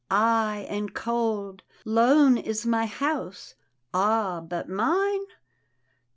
"Aye, and cold." " Lone is my house." " Ah, but mine